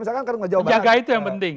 jaga itu yang penting